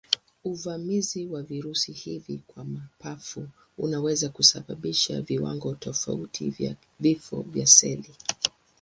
Uvamizi wa virusi hivi kwa mapafu unaweza kusababisha viwango tofauti vya vifo vya seli.